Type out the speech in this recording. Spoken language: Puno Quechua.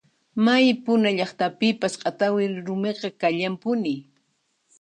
May puna llaqtapipas q'atawi rumiqa kallanpuni.